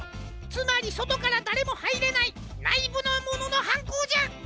つまりそとからだれもはいれないないぶのもののはんこうじゃ！